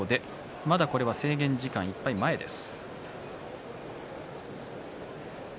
まだこれは制限時間いっぱい前です。